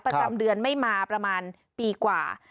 ประจำเดือนไม่มาประมาณปีกว่า